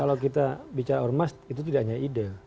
kalau kita bicara ormas itu tidak hanya ide